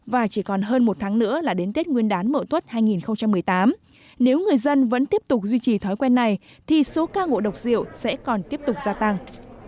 và chỉ còn hơn một tháng nữa là đến tết nguyên đán mậu tuất hai nghìn một mươi tám nếu người dân vẫn tiếp tục duy trì thói quen này thì số ca ngộ độc rượu sẽ còn tiếp tục gia tăng